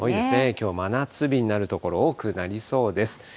きょう、真夏日になる所、多くなりそうです。